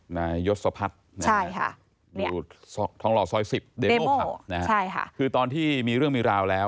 ยศพัฒน์อยู่ทองหล่อซอย๑๐เดโมพับคือตอนที่มีเรื่องมีราวแล้ว